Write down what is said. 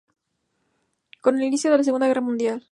Con el inicio de la Segunda Guerra Mundial.